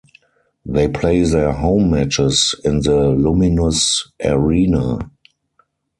They play their home matches in the Luminus Arena.